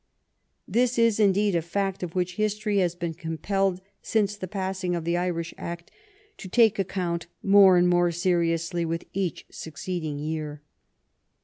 This is, indeed, a fact of which history has been compelled since the passing of the Irish act to take account more and more seriously with each succeeding year.